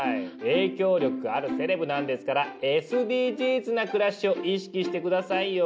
影響力があるセレブなんですから「ＳＢＧｓ」な暮らしを意識して下さいよ！